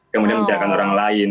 kemudian menjaga orang lain